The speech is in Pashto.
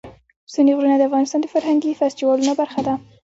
ستوني غرونه د افغانستان د فرهنګي فستیوالونو برخه ده.